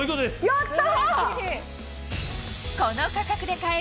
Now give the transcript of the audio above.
やった！